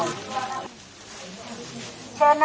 ขอบคุณครับ